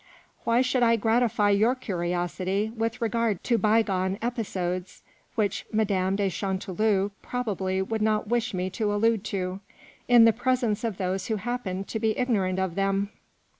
Why should I gratify your curiosity with regard to bygone episodes, which Madame de Chariteloup probably would not wish me to allude to, in the presence of those who happen to be ignorant of them